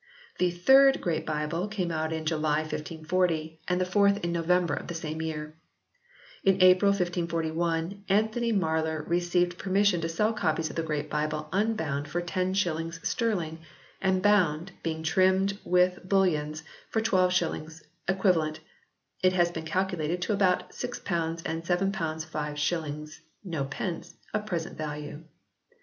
The third Great Bible came out in July 1540, and ihe fourth in November of the same year. In April 1541 Anthony Marler received per mission to sell copies of the Great Bible unbound for ten shillings sterling, and bound, "being trimmed with bullyons," for twelve shillings, equivalent, it has been calculated, to about 6 and 7. 5s. Od. of present value.